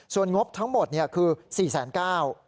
ส่วนงบทั้งหมดเนี่ยคือ๔๙๐๐๐๐บาท